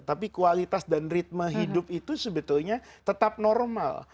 tapi kualitas dan ritme hidup itu sebetulnya tetap normal